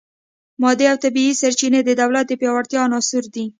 مادي او طبیعي سرچینې د دولت د پیاوړتیا عناصر دي